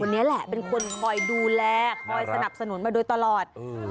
คนนี้แหละเป็นคนคอยดูแลคอยสนับสนุนได้ทุกครั้ง